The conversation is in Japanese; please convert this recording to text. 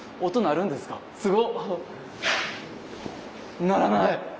鳴らない！